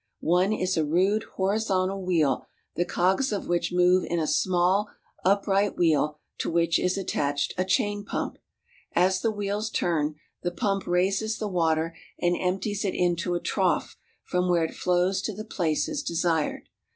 One is a rude horizontal wheel the cogs of which move in a small upright wheel to which is attached a chain pump. As the wheels turn, the pump raises the water and empties it into a trough from where it flows to the places desired.